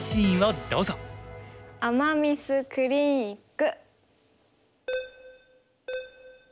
“アマ・ミス”クリニック。